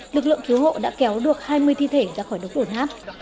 lực lượng cứu hộ đã kéo được hai mươi thi thể ra khỏi đống đổn hát